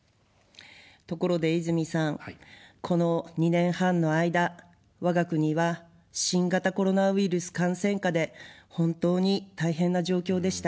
ところで泉さん、この２年半の間、我が国は新型コロナウイルス感染禍で本当に大変な状況でした。